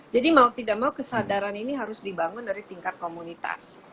jadi mau tidak mau kesadaran ini harus dibangun dari tingkat komunitas